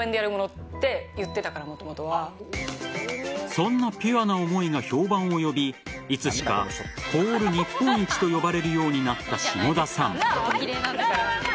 そんなピュアな思いが評判を呼びいつしか、コール日本一と呼ばれるようになった下田さん。